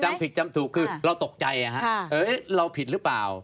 จำผิดจำถูกคือเราตกใจเราผิดหรือเปล่า